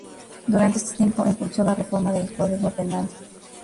Durante este tiempo impulsó la reforma al Código Penal.